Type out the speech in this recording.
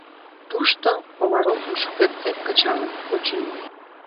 Тушто Комаровым шукертсек кычалыт, очыни...